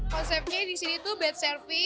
konsepnya di sini tuh bed service tapi good food